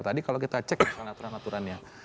tadi kalau kita cek aturan aturannya